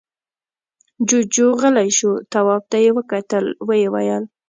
جُوجُو غلی شو. تواب ته يې وکتل، ويې ويل: